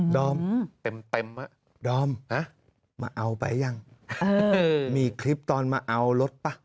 ดอมเต็มดอมมาเอาไปยังมีคลิปตอนมาเอารถป่ะ